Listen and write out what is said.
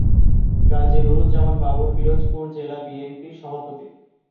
গাজি নুরুজ্জামান বাবুল পিরোজপুর জেলা বিএনপির সভাপতি।